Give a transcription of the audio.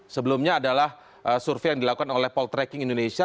sebelumnya adalah survei yang dilakukan oleh poltreking indonesia